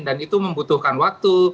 dan itu membutuhkan waktu